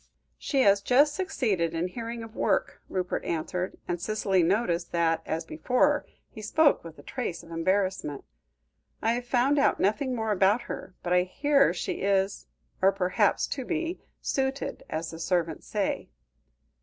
"She has just succeeded in hearing of work," Rupert answered, and Cicely noticed that, as before, he spoke with a trace of embarrassment. "I have found out nothing more about her, but I hear she is, or hopes to be, 'suited,' as the servants say."